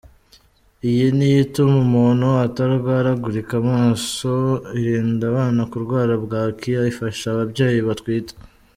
Iyi niyo ituma umuntu atarwaragurika amaso, irinda abana kurwara bwaki, ifasha ababyeyi batwite,… ”.